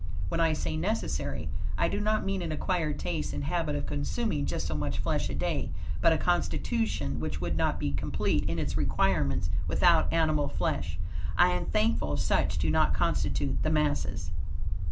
When I say necessary, I do not mean an acquired taste and habit of consuming just so much flesh a day; but a constitution, which would not be complete in its requirements, without animal flesh. I am thankful such do not constitute the masses.